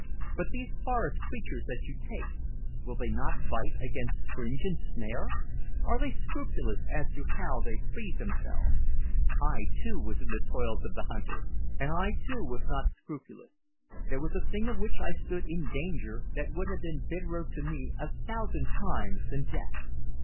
But these forest creatures that you take, will they not bite against springe and snare? Are they scrupulous as to how they free themselves? I too was in the toils of the hunter, and I too was not scrupulous. There was a thing of which I stood in danger that would have been bitterer to me, a thousand times, than death.